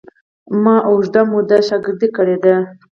ما اوږده موده شاګردي کړې ده.